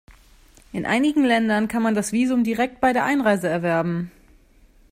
In einigen Ländern kann man das Visum direkt bei der Einreise erwerben.